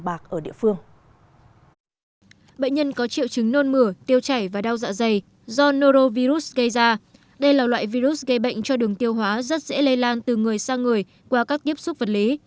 bệnh nhân có triệu chứng nôn mửa tiêu chảy và đau dạ dày do norovirus gây ra đây là loại virus gây bệnh cho đường tiêu hóa rất dễ lây lan từ người sang người qua các tiếp xúc vật lý